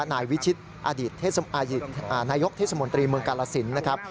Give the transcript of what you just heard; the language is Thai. นายวิชิตอดีตนายกเทศมนตรีเมืองกาลสินนะครับ